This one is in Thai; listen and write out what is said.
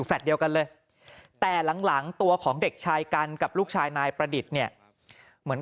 เดียวกันเลยแต่หลังตัวของเด็กชายกันกับลูกชายนายประดิษฐ์เนี่ยเหมือน